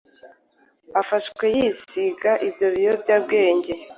afashwe, yisiga ibyo biyobyabwenge